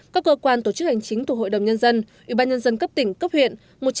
các cơ quan tổ chức hành chính thuộc hội đồng nhân dân ủy ban nhân dân cấp tỉnh cấp huyện